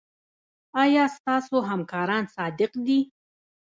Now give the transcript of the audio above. ایا ستاسو همکاران صادق دي؟